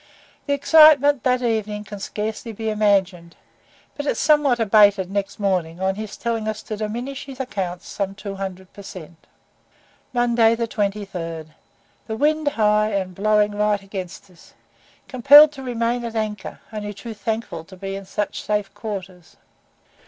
The excitement that evening can scarcely be imagined, but it somewhat abated next morning on his telling us to diminish his accounts some 200 per cent. MONDAY, 23. The wind high, and blowing right against us. Compelled to remain at anchor, only too thankful to be in such safe quarters.